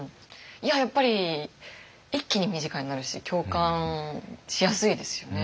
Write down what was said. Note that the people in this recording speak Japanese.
やっぱり一気に身近になるし共感しやすいですよね。